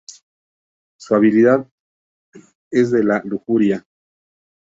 Su habilidad es de la lujuria.